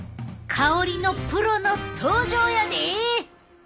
香りのプロの登場やで！